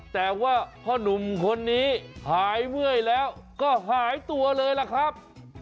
แต่ว่าพ่อนุ่มคนนี้หายเมื่อยแล้วก็หายตัวเลยล่ะครับ